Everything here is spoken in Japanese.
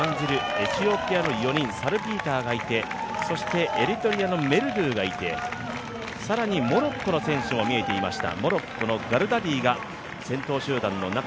エチオピアの４人、サルピーターがいてそしてエリトリアのメルドゥがいて更にモロッコの選手も見えていました。